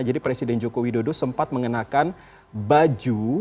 jadi presiden joko widodo sempat mengenakan baju